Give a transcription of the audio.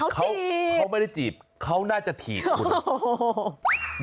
เขาไม่ได้จีบเขาน่าจะถีบคุณ